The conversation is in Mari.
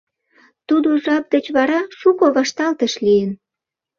Тудо жап деч вара шуко вашталтыш лийын.